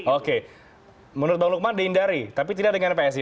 oke menurut bang lukman dihindari tapi tidak dengan psi